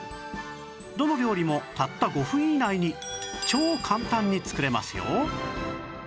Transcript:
どの料理もたった５分以内に超簡単に作れますよ！